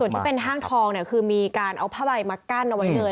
ที่เป็นห้างทองเนี่ยคือมีการเอาผ้าใบมากั้นเอาไว้เลย